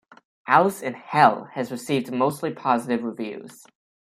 "Alice in Hell" has received mostly positive reviews.